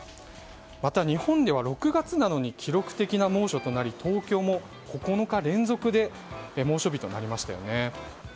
また日本では６月なのに記録的な猛暑となり東京も９日連続で猛暑日となりましたよね。